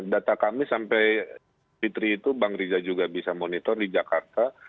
data kami sampai fitri itu bang riza juga bisa monitor di jakarta